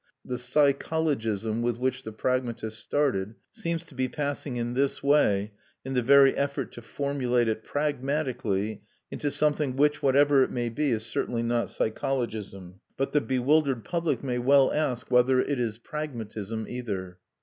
The psychologism with which the pragmatists started seems to be passing in this way, in the very effort to formulate it pragmatically, into something which, whatever it may be, is certainly not psychologism. But the bewildered public may well ask whether it is pragmatism either.